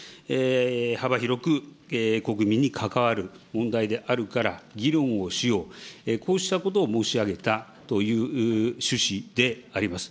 幅広く国民に関わる問題であるから議論をしよう、こうしたことを申し上げたという趣旨であります。